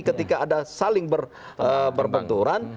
ketika ada saling berbenturan